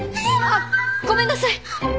あっごめんなさい。